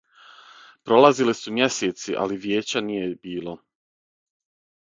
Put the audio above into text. Пролазили су мјесеци, али вијећа није било.